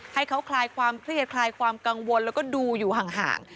ให้เขาคลายความเครียดคลายความกังวลแล้วก็ดูอยู่ห่าง